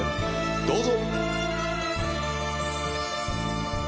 どうぞ。